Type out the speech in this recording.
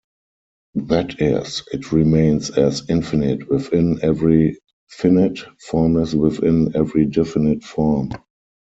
That is, it remains as infinite within every finite, formless within every definite form.